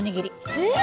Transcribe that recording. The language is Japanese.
えっ！